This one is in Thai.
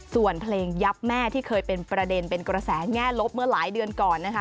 ส่วนเพลงยับแม่ที่เคยเป็นประเด็นเป็นกระแสแง่ลบเมื่อหลายเดือนก่อนนะคะ